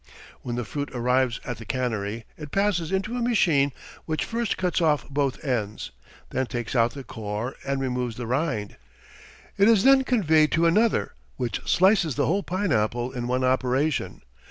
When the fruit arrives at the cannery, it passes into a machine which first cuts off both ends, then takes out the core and removes the rind. It is then conveyed to another, which slices the whole pineapple in one operation.